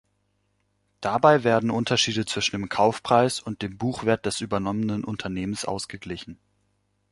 Dabei werden Unterschiede zwischen dem Kaufpreis und dem Buchwert des übernommenen Unternehmens ausgeglichen.